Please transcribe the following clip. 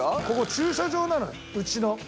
ここ駐車場なのようちの。